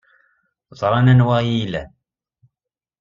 Ẓran anwa ay iyi-ilan.